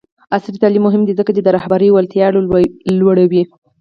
عصري تعلیم مهم دی ځکه چې د رهبرۍ وړتیا لوړوي.